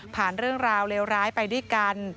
ผ่านเรื่องราวเลวไปด้วยกัน